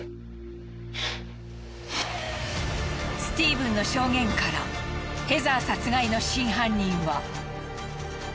スティーブンの証言からヘザー殺害の真犯人は。